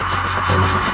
jangan udah yakin